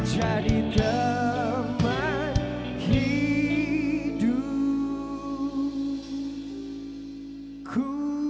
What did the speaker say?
jadi teman hidupku